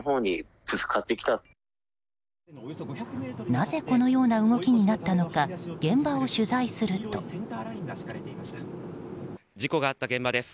なぜこのような動きになったのか事故があった現場です。